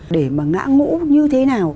để mà ngã ngũ như thế nào